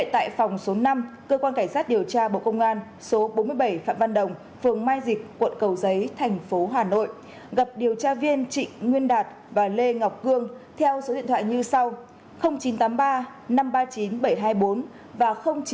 trong số năm cơ quan cảnh sát điều tra bộ công an số bốn mươi bảy phạm văn đồng phường mai dịch quận cầu giấy thành phố hà nội gặp điều tra viên trịnh nguyên đạt và lê ngọc cương theo số điện thoại như sau chín trăm tám mươi ba năm trăm ba mươi chín bảy trăm hai mươi bốn và chín trăm bốn mươi bốn một trăm hai mươi một bảy trăm hai mươi sáu